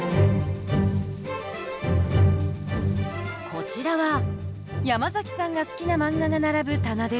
こちらはヤマザキさんが好きな漫画が並ぶ棚です。